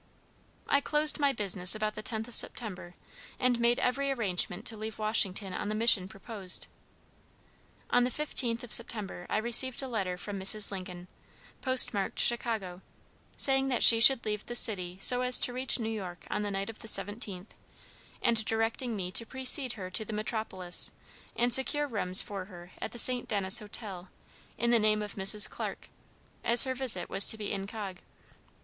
I closed my business about the 10th of September, and made every arrangement to leave Washington on the mission proposed. On the 15th of September I received a letter from Mrs. Lincoln, postmarked Chicago, saying that she should leave the city so as to reach New York on the night of the 17th, and directing me to precede her to the metropolis, and secure rooms for her at the St. Denis Hotel in the name of Mrs. Clarke, as her visit was to be _incog.